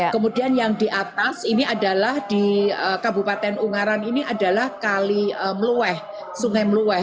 kemudian yang di atas ini adalah di kabupaten ungaran ini adalah kalimluweh sungai mluweh